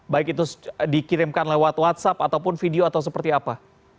baik itu dikirimkan lewat whatsapp ataupun video atau seperti apa